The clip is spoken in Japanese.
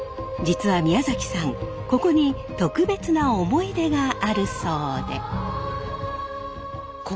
実は宮崎さんここに特別な思い出があるそうで。